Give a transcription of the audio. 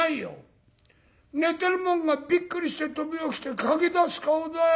寝てるもんがびっくりして飛び起きて駆け出す顔だよ。